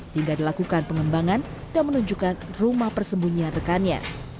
hingga dilakukan pengembangan dan menunjukkan rumah persembunyian rekannya